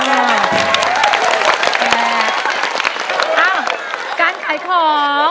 เอ้าการขายของ